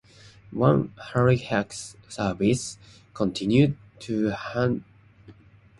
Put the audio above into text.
One Halifax service continues to Huddersfield on alternate hours.